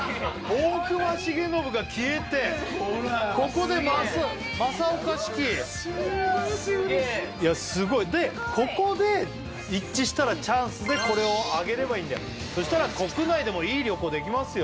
大隈重信が消えてほらここで正岡子規素晴らしい嬉しいいやすごいでここで一致したらチャンスでこれを上げればいいんだよそしたら国内でもいい旅行できますよ